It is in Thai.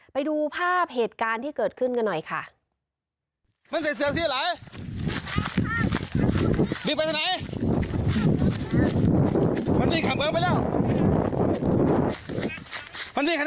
ไปดูภาพเหตุการณ์ที่เกิดขึ้นกันหน่อยค่ะ